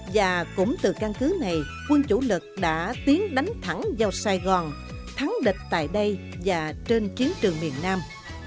và cũng từ căn cứ này quân chủ lực đã tiến đánh thẳng vào sài gòn thắng địch tại đây và trên chiến trường miền nam